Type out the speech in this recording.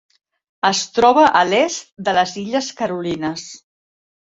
Es troba a l'est de les Illes Carolines.